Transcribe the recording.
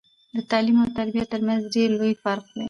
د تعليم او تربيه ترمنځ ډير لوي فرق دی